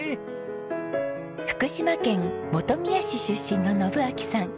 福島県本宮市出身の信秋さん。